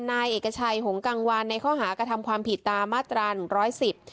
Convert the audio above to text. นายเอกชัยหงกังวานในข้อหากระทำความผิดตามมาตราหนึ่งร้อยสิบ